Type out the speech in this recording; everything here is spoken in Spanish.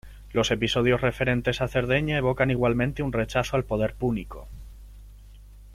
Los episodios referentes a Cerdeña evocan igualmente un rechazo al poder púnico.